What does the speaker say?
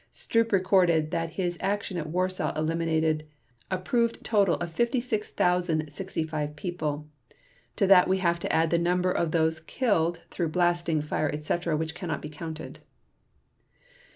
Stroop recorded that his action at Warsaw eliminated "a proved total of 56,065 people. To that we have to add the number of those killed through blasting, fire, etc., which cannot be counted."